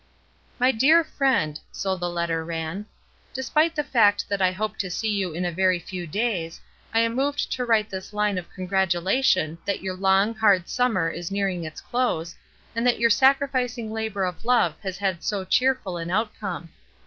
"My dear Friend," — so the letter ran — "Despite the fact that I hope to see you in a very few days, I am moved to write this line of congratulation that your long, hard summer is nearing its close, and that your sacrificing labor of love has had so cheerful an outcome.